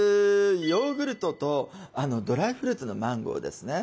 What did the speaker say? ヨーグルトとドライフルーツのマンゴーですね。